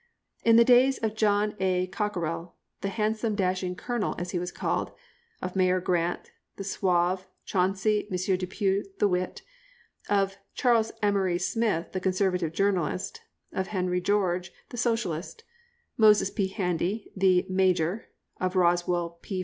In the days of John A. Cockerill, the handsome, dashing "Colonel," as he was called, of Mayor Grant the suave, Chauncey M. Depew the wit, of Charles Emory Smith the conservative journalist, of Henry George the Socialist, Moses P. Handy the "Major," of Roswell P.